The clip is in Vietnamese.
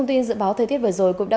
nhiệt độ hai mươi ba đến ba mươi một độ